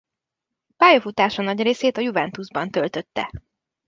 Pályafutása nagy részét a Juventusban töltötte.